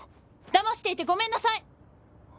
だましていてごめんなさい！